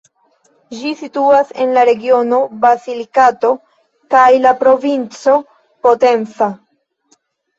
Ĝi situas en la regiono Basilikato kaj la provinco Potenza.